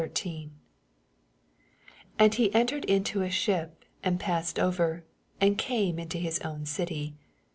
1 And he entered into a ship, and pjassed overi and oame into his own oily.